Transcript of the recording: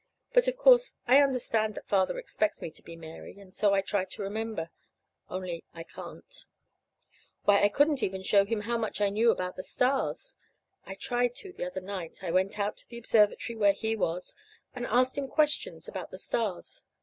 But, of course, I understand that Father expects me to be Mary, and so I try to remember only I can't. Why, I couldn't even show him how much I knew about the stars. I tried to the other night. I went out to the observatory where he was, and asked him questions about the stars.